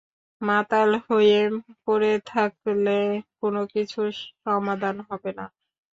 মাতাল হয়ে পড়ে থাকলে কোনো কিছুর সমাধান হবে না।